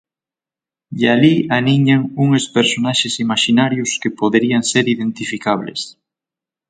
E alí aniñan uns personaxes imaxinarios que poderían ser identificables.